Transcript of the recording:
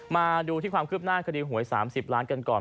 มาดูที่ความคืบหน้าคดีหวย๓๐ล้านกันก่อน